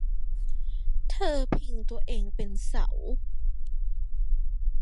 เธอพิงตัวเองกับเสา